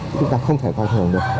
chúng ta không thể coi thường được